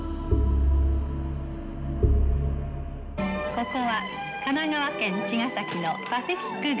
ここは神奈川県茅ヶ崎のパシフィックガーデン。